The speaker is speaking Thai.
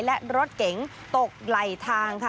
และรถเก๋งตกไหลทางค่ะ